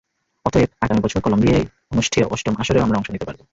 অতএব, আগামী বছর কলম্বিয়ায় অনুষ্ঠেয় অষ্টম আসরেও আমরা অংশ নিতে পারব।